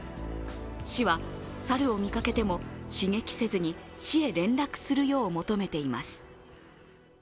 市は猿を見かけても、刺激せずに市へ連絡するよう求めています。